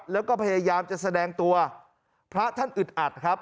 แล้วก็พยายามจะแสดงตัวพระท่านอึดอัดครับ